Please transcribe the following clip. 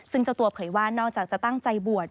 ซึ่งเจ้าตัวเผยว่านอกจากจะตั้งใจบวช